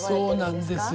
そうなんです。